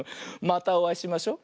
またおあいしましょ。